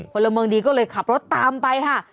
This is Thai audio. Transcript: พลเมืองดีก็เลยขับรถตามไปค่ะ